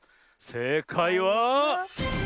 せいかいは。